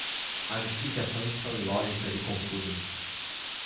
As explicações são ilógicas e confusas.